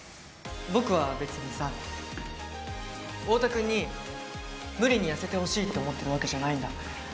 僕は、別にさ、オオタ君に無理に痩せてほしいと思ってるわけじゃないんだ。